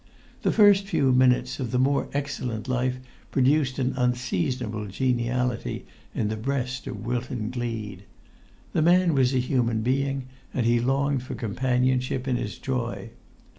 The first few minutes of the more excellent life produced an unseasonable geniality in the breast of Wilton Gleed. The man was a human being, and he longed for companionship in his joy.